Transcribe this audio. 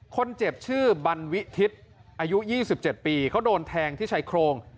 คนเจ็บชื่อบันวิทิศอายุ๒๗ปีเขาโดนแทงที่ชายโครง